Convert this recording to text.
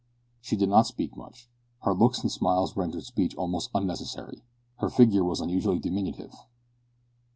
She did not speak much. Her looks and smiles rendered speech almost unnecessary. Her figure was unusually diminutive.